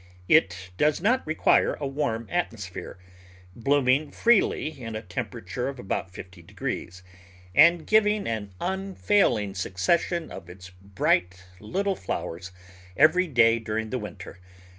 It does not require a warm atmosphere, blooming freely in a tempera ture of about 50 , and giving an unfailing succession of its bright little flowers every day during the winter.